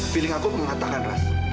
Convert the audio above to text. feeling aku mengatakan ras